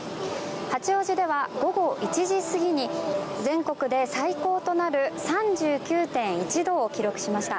八王子では午後１時過ぎに全国で最高となる３９．１度を記録しました。